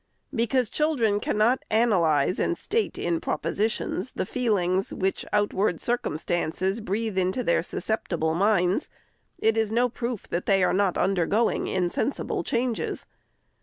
Because children cannot analyze and state in propositions the feelings, which outward circumstances breathe into their suscepti ble minds, it is no proof that they are not undergoing insensible changes.